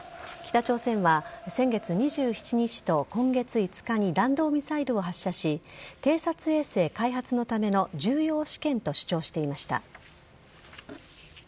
北朝鮮は先月２７日と今月５日に弾道ミサイルを発射し偵察衛星開発のための重要試験と主張していました。